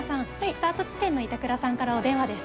スタート地点の板倉さんからお電話です。